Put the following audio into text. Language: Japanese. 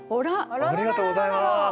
ありがとうございます。